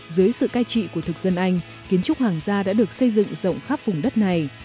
dưới sự cai trị của thực dân anh kiến trúc hoàng gia đã được xây dựng rộng khắp vùng đất này